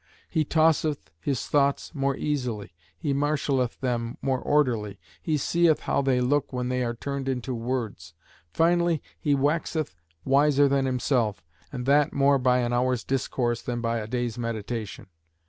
He tosseth his thoughts more easily; he marshalleth them more orderly; he seeth how they look when they are turned into words; finally, he waxeth wiser than himself, and that more by an hour's discourse than by a day's meditation.